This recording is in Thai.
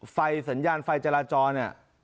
ไฟสัญญาณไฟจราจรเนี่ย